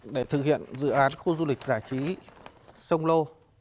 để thực hiện dự án khu du lịch giải trí sông lô